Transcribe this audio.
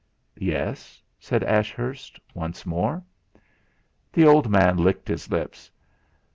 "Yes?" said Ashurst once more. The old man licked his lips.